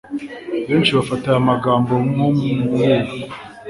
Benshi bafata aya magambo nkumuburo